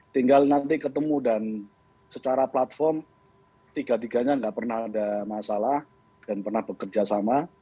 kalau nanti ketemu dan secara platform tiga tiganya enggak pernah ada masalah dan pernah bekerjasama